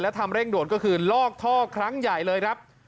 แล้วทำเร่งโดดก็คือลอกท่อครั้งใหญ่เลย